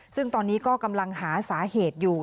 ซึ่งตอนนี้ก็กำลังหาสาเหตุอยู่